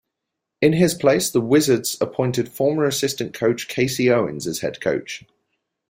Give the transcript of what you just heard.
In his place, the Wizards appointed former assistant coach Casey Owens as head coach.